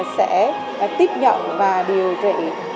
sẽ tiếp nhận và điều trị